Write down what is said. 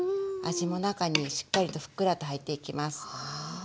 味も中にしっかりとふっくらと入っていきます。